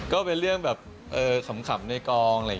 ก็เป็นเรื่องแบบขำในกลอง